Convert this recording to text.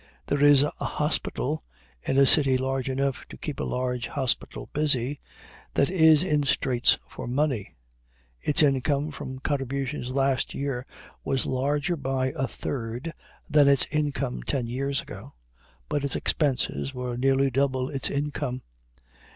There is a hospital, in a city large enough to keep a large hospital busy, that is in straits for money. Its income from contributions last year was larger by nearly a third than its income ten years ago, but its expenses were nearly double its income.